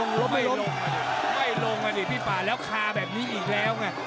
ลงหรือลงไม่ลงอ่ะดิไม่ลงอ่ะดิพี่ป่าแล้วคาแบบนี้อีกแล้วน่ะ